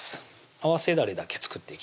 合わせだれだけ作っていきます